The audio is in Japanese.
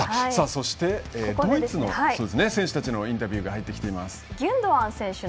そしてドイツの選手たちのインタビューが入りました。